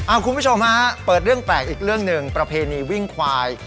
คุณผู้ชมฮะเปิดเรื่องแปลกอีกเรื่องหนึ่งประเพณีวิ่งควาย